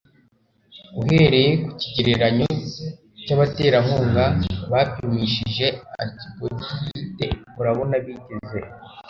Uhereye ku kigereranyo cy’abaterankunga bapimishije antibodiyite urabona bigeze he